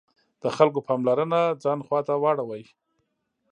د خلکو پاملرنه ځان خواته واړوي.